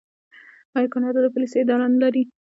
آیا کاناډا د پولیسو اداره نلري؟